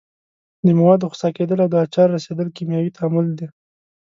د موادو خسا کیدل او د آچار رسیدل کیمیاوي تعامل دي.